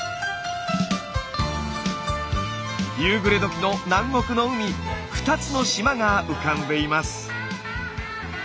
夕暮れ時の南国の海２つの島が浮かんでいます。